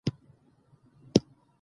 افغانستان په مس باندې تکیه لري.